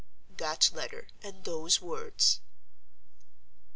"That letter and those words."